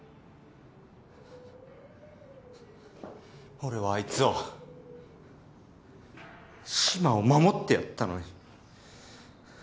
俺はあいつを嶋を守ってやったのに。